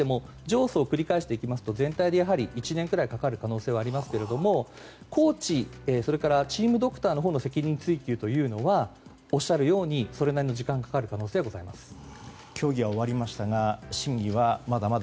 上訴を繰り返していきますと全体で１年ぐらいかかる可能性はありますけれどもコーチそれからチームドクターのほうの責任追及はおっしゃるようにそれなりに時間がかかる可能性がございます。